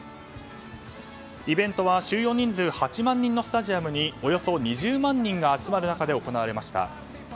イベントは収容人数８万人のスタジアムにおよそ２０万人が集まる中で行われました。